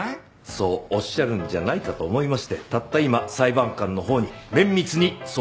そうおっしゃるんじゃないかと思いましてたった今裁判官のほうに綿密に相談をして参りました。